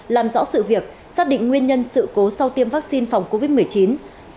làm rõ sự việc xác định nguyên nhân sự cố sau tiêm vaccine phòng covid một mươi chín